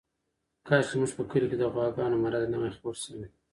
کاشکې زموږ په کلي کې د غواګانو مرض نه وای خپور شوی.